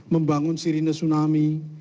membangun sirine tsunami